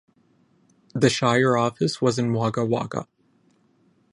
The shire office was in Wagga Wagga.